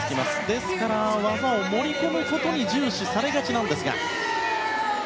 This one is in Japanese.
ですから、技を盛り込むことに重視されがちなんですが。